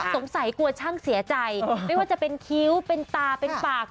สงสัยกลัวช่างเสียใจไม่ว่าจะเป็นคิ้วเป็นตาเป็นปาก